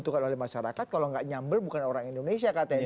kalau nggak nyambel bukan orang indonesia katanya